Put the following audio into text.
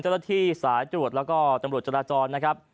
เจ้าหน้าที่สายตรวจแล้วก็ตำรวจจราจรนะครับ